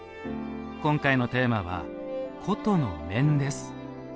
今回のテーマは「古都の面」です。